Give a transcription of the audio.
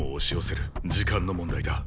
時間の問題だ。